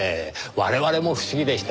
我々も不思議でした。